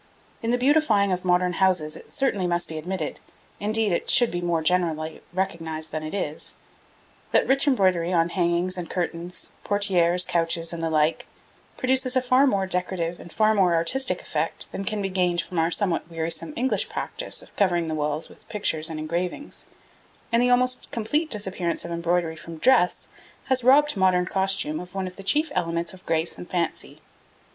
In the beautifying of modern houses it certainly must be admitted indeed, it should be more generally recognised than it is that rich embroidery on hangings and curtains, portieres, couches and the like, produces a far more decorative and far more artistic effect than can be gained from our somewhat wearisome English practice of covering the walls with pictures and engravings; and the almost complete disappearance of embroidery from dress has robbed modern costume of one of the chief elements of grace and fancy.